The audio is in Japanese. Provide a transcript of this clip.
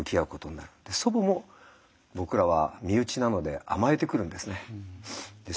祖母も僕らは身内なので甘えてくるんですね。